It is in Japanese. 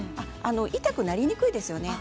痛くなりにくいですね。